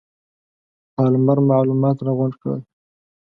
پالمر معلومات راغونډ کړل.